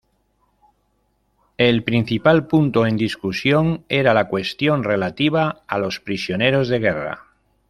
El principal punto en discusión era la cuestión relativa a los prisioneros de guerra.